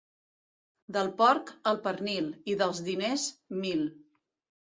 Del porc, el pernil, i dels diners, mil.